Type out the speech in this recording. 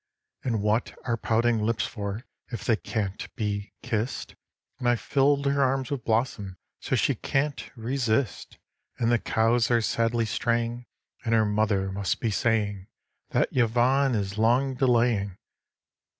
And what are pouting lips for if they can't be kissed? And I've filled her arms with blossom so she can't resist; And the cows are sadly straying, and her mother must be saying That Yvonne is long delaying